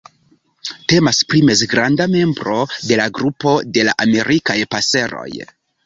Temas pri mezgranda membro de la grupo de la Amerikaj paseroj.